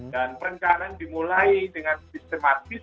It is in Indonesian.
dan perencanaan dimulai dengan sistematis